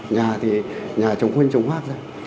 nhà thì nhà trống huynh trống hoác ra